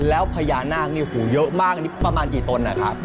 แล้วพญานาคนี่หูเยอะมากนี่ประมาณกี่ตนนะครับ